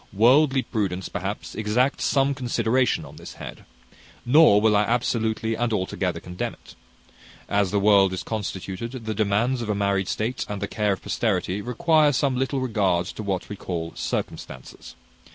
Worldly prudence, perhaps, exacts some consideration on this head; nor will I absolutely and altogether condemn it. As the world is constituted, the demands of a married state, and the care of posterity, require some little regard to what we call circumstances.